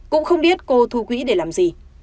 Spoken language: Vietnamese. cũng không biết cô thu quỹ để làm gì